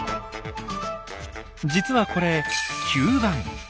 実はこれ吸盤。